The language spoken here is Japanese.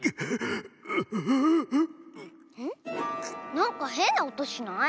なんかへんなおとしない？